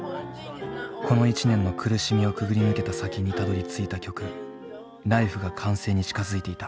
この１年の苦しみをくぐり抜けた先にたどりついた曲「Ｌｉｆｅ」が完成に近づいていた。